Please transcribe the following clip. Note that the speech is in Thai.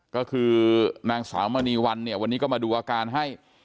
ก็คือนางสาวมณีวันเนี่ยวันนี้ก็มาดูอาการให้